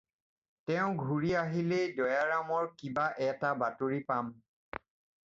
তেওঁ ঘুৰি আহিলেই দয়াৰামৰ কিবা এটা বাতৰি পাম।